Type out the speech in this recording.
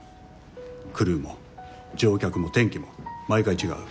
クルーも乗客も天気も毎回違う。